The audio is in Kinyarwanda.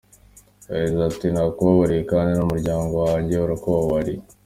Yagize ati “ Ndakubabariye kandi n’umuryango wanjye urakubabariye.